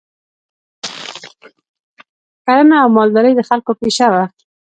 کرنه او مالداري د خلکو پیشه وه